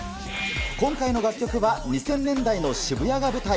今回の楽曲は２０００年代の渋谷が舞台。